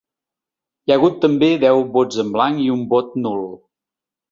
Hi ha hagut també deu vots en blanc i un vot nul.